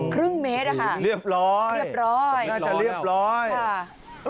ครึ่งเมตรอะค่ะเรียบร้อยเรียบร้อยน่าจะเรียบร้อยค่ะ